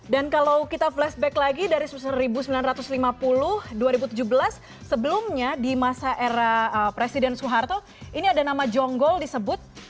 kalau kita flashback lagi dari seribu sembilan ratus lima puluh dua ribu tujuh belas sebelumnya di masa era presiden soeharto ini ada nama jonggol disebut